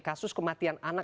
kasus kematian anak